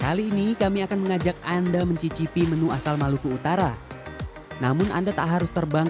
kali ini kami akan mengajak anda mencicipi menu asal maluku utara namun anda tak harus terbang